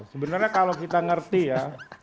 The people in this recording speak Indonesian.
sebenarnya kalau kita ngerti ya